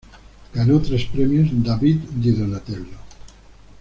Ganó tres premios David di Donatello.